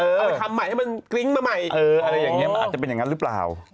เอาไปทำใหม่ให้มันกริ้งมาใหม่อะไรอย่างนี้มันอาจจะเป็นอย่างนั้นหรือเปล่า